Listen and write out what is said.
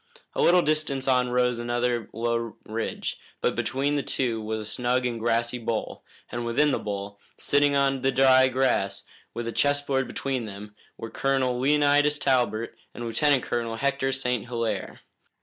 A little distance on rose another low ridge, but between the two was a snug and grassy bowl, and within the bowl, sitting on the dry grass, with a chessboard between them, were Colonel Leonidas Talbot and Lieutenant Colonel Hector St. Hilaire.